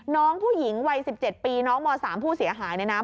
น้องผู้หญิงวัย๑๗ปีน้องม๓ผู้เสียหายเนี่ยนะ